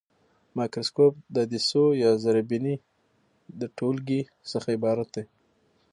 مایکروسکوپ د عدسیو یا زرې بیني د ټولګې څخه عبارت دی.